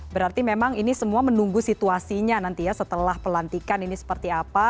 berarti memang ini semua menunggu situasinya nanti ya setelah pelantikan ini seperti apa